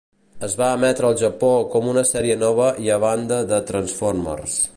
Es va emetre al Japó com una sèrie nova i a banda de "Transformers".